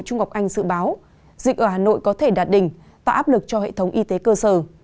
trung ngọc anh dự báo dịch ở hà nội có thể đạt đỉnh tạo áp lực cho hệ thống y tế cơ sở